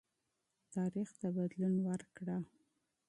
تاریخ ته بدلون ورکړه.